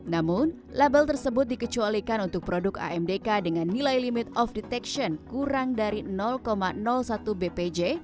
namun label tersebut dikecualikan untuk produk amdk dengan nilai limit of detection kurang dari satu bpj